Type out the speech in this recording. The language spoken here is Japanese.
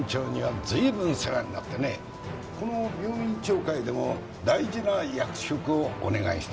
この病院長会でも大事な役職をお願いした。